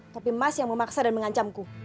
tapi emas yang memaksa dan mengancamku